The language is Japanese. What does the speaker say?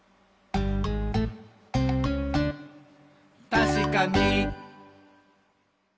「たしかに！」